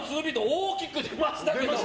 大きく出ましたね。